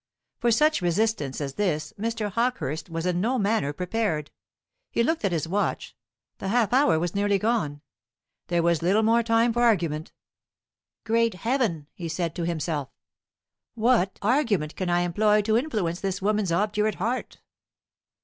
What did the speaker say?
For such resistance as this Mr. Hawkehurst was in no manner prepared. He looked at his watch. The half hour was nearly gone. There was little more time for argument. "Great Heaven!" he said to himself, "what argument can I employ to influence this woman's obdurate heart?"